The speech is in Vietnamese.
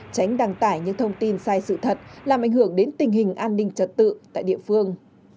tránh đăng tải những thông tin sai sự thật làm ảnh hưởng đến tình hình an ninh trật tự tại địa phương